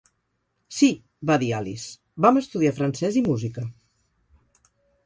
'Sí', va dir Alice, 'vam estudiar francès i música'.